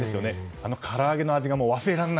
あの唐揚げの味が忘れられない。